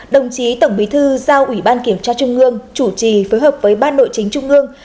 đồng chí tổng bí thư giao ủy ban kiểm tra trung ương chủ trì phối hợp với ban nội chính trung ương